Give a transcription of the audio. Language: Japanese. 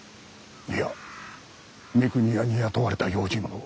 いや三国屋に雇われた用心棒。